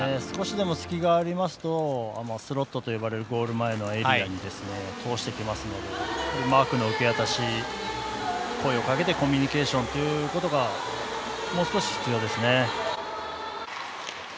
少しでも隙がありますとスロットと呼ばれるゴール前のエリアに通してきますのでマークの受け渡し声をかけてコミュニケーションがもう少し、必要ですね。